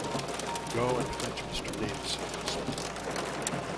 Go and fetch Mr. Davison, Smith.